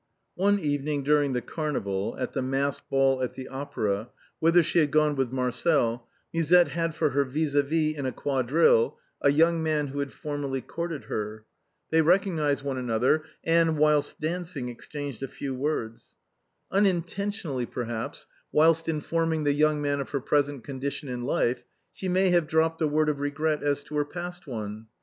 One evening during the carnival, at the masked ball at the Opera, whither she had gone with Marcel, Musette had for her vis a vis in a quadrille a young man who had for merly courted her. They recognized one another, and, whilst dancing, exchanged a few words. Unintentionally, perhaps, whilst informing the young fellow of her present condition in life, she may have dropped a word of regret as to her past one.